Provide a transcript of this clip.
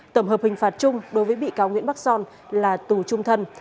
tổng hợp hình phạt chung đối với bị cáo nguyễn bắc son là tù trung thân